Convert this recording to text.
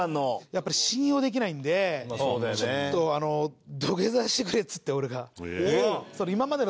やっぱり信用できないんでちょっと土下座してくれっつって俺が。